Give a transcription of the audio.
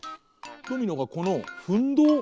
ドミノがこのふんどう？